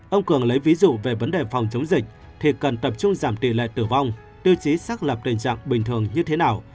ông cường lấy ví dụ về vấn đề phòng chống dịch thì cần tập trung giảm tỷ lệ tử vong tiêu chí xác lập tình trạng bình thường như thế nào